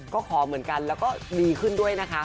ก็ขอเหมือนกันแล้วก็ดีขึ้นด้วยนะคะ